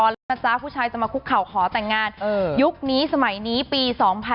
แล้วนะจ๊ะผู้ชายจะมาคุกเข่าขอแต่งงานยุคนี้สมัยนี้ปี๒๕๖๒